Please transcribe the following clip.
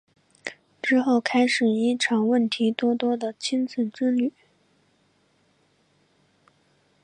之后开始一场问题多多的亲子之旅。